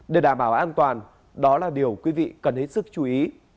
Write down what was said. để đảm bảo an toàn đó là điều quý vị cần hết sức chú ý